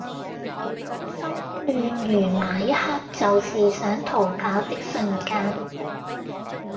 心亂如麻一刻就是想逃跑的瞬間